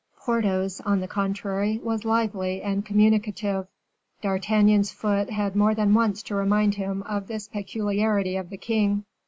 Porthos, on the contrary, was lively and communicative. D'Artagnan's foot had more than once to remind him of this peculiarity of the king.